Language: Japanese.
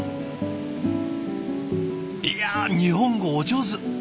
いや日本語お上手。